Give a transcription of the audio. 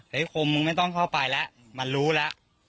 คมมึงไม่ต้องเข้าไปแล้วมันรู้แล้ว